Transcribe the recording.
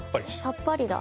さっぱりだ。